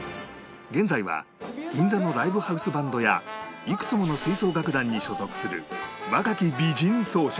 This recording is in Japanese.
現在は銀座のライブハウスバンドやいくつもの吹奏楽団に所属する若き美人奏者